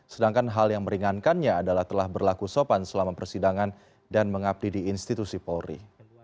sedangkan hal yang meringankannya adalah telah berlaku sopan selama persidangan dan mengabdi di institusi polri